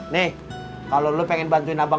nggak deh nanti aja